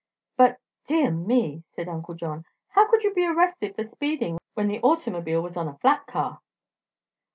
"But dear me!" said Uncle John; "how could you be arrested for speeding when the automobile was on a fiat car?"